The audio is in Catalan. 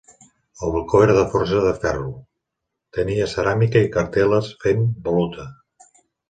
El balcó era de forja de ferro, tenia ceràmica i cartel·les fent voluta.